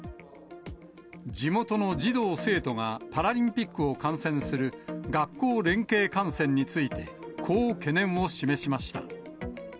地元の児童・生徒がパラリンピックを観戦する、学校連携観戦について、こう懸念を示しました。